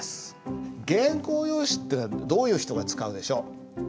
原稿用紙ってどういう人が使うでしょう？